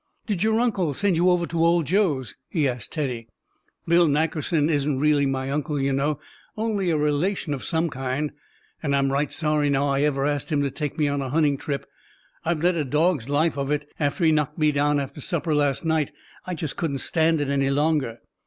"Did your uncle send you over to Old Joe's?" he asked Teddy. "Bill Nackerson isn't really my uncle, you know, only a relation of some kind; and I'm right sorry now I ever asked him to take me on a hunting trip. I've led a dog's life of it. After he knocked me down after supper last night I just couldn't stand it any longer."